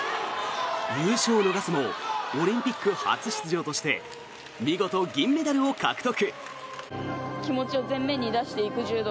優勝を逃すもオリンピック初出場にして見事、銀メダルを獲得。